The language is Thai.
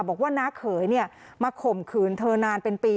บอกว่าน้าเขยมาข่มขืนเธอนานเป็นปี